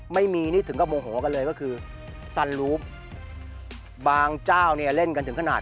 ไม่มีนี่ถึงก็โมโหกันเลยก็คือซันรูปบางเจ้าเนี่ยเล่นกันถึงขนาด